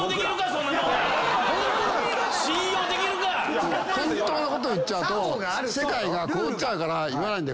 本当のこと言っちゃうと世界が凍っちゃうから言わない。